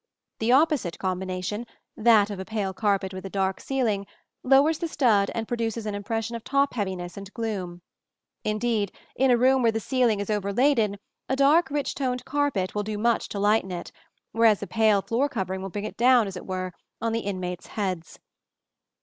The opposite combination that of a pale carpet with a dark ceiling lowers the stud and produces an impression of top heaviness and gloom; indeed, in a room where the ceiling is overladen, a dark rich toned carpet will do much to lighten it, whereas a pale floor covering will bring it down, as it were, on the inmates' heads.